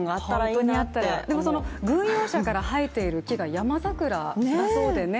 ホントにあったらでも軍用車から生えている木がヤマザクラだそうでね。